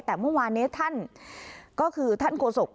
แต่เมื่อวานนี้ท่านก็คือท่านโฆษก